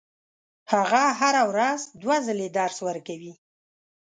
هغه هره ورځ دوه ځلې درس ورکوي.